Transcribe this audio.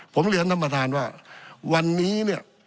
ผมเรียนท่านประธานว่าวันนี้เนี่ย